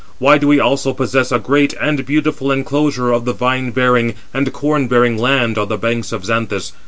Why do we also possess a great and beautiful enclosure of the vine bearing and corn bearing land on the banks of Xanthus?